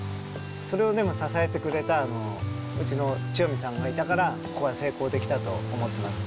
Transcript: それをでも支えてくれたうちの千代美さんがいたから、これは成功できたと思ってます。